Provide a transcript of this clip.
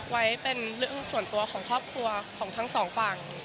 ไว้เป็นเรื่องส่วนตัวของครอบครัวของทั้งสองฝั่ง